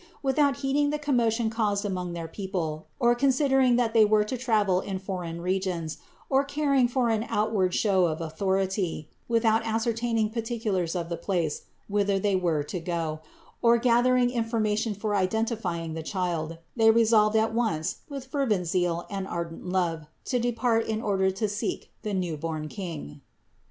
Without heeding the commotion caused among their peo 470 CITY OF GOD pie, or considering1 that they were to travel in foreign regions, or caring for any outward show of authority, without ascertaining particulars of the place whither they were to go, or gathering information for identifying the Child, they at once resolved with fervent zeal and ardent love to depart in order to seek the newborn King.